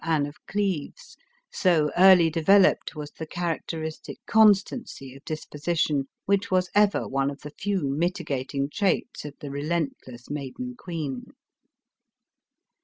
Anne of Cleves, so early developed was the character istic constancy of disposition which was ever one of the few mitigating traits of the relentless Maiden Queen.